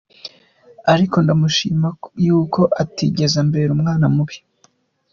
Ariko ndamushima y’uko atigeze ambera umwana mubi.